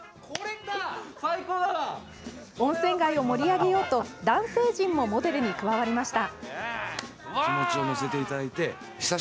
温泉街を盛り上げようと男性陣もモデルに加わりました。